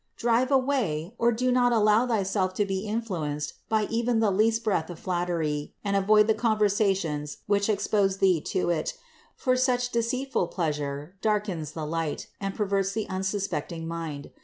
Drive THE INCARNATION 243 away, or do not allow thyself to be influenced by even the least breath of flattery and avoid the conversations which expose thee to it; for such deceitful pleasure darkens the light and perverts the unsuspecting mind.